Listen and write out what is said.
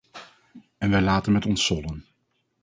En wij laten met ons sollen.